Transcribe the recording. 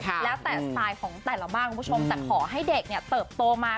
แล้วแต่สไตล์ของแต่ละบ้านคุณผู้ชมแต่ขอให้เด็กเนี่ยเติบโตมา